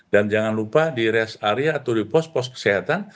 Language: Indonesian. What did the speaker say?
dan jangan lupa di rest area atau di pos pos kesehatan